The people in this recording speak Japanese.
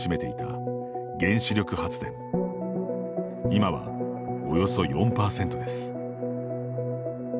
今はおよそ４％です。